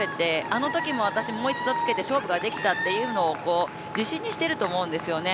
あのときも私、もう一度つけて勝負ができたというのを自信にしていると思うんですよね。